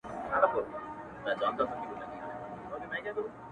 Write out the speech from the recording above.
• نن له سیوري سره ځمه خپل ګامونه ښخومه,